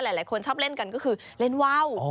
หลายคนชอบเล่นกันก็คือเล่นว่าว